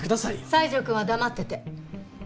西条くんは黙ってて。